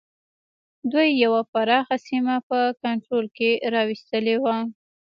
دوی یوه پراخه سیمه په کنټرول کې را وستلې وه.